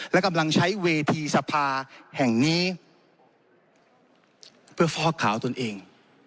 และกำลังใช้เวทีสภาแห่งนี้เพื่อฟอกขาวตนเอง